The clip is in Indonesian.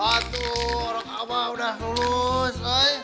waduh orang abah udah lulus